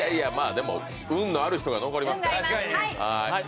でも運のある人が残りますから。